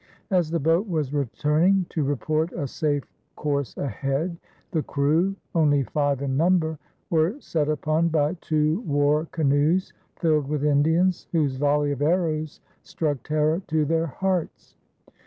As the boat was returning to report a safe course ahead, the crew, only five in number, were set upon by two war canoes filled with Indians, whose volley of arrows struck terror to their hearts.